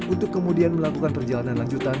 untuk kemudian melakukan perjalanan lanjutan